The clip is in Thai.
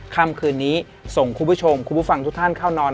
ค่ำคืนนี้ส่งคุณผู้ชมคุณผู้ฟังทุกท่านเข้านอน